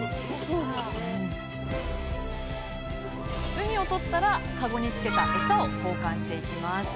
ウニをとったらかごにつけたえさを交換していきます。